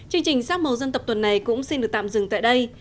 chương trình sắc mâu dân tập tuần này cũng xin được tạm dừng tại đây